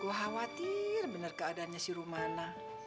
gua khawatir bener keadaannya si rumana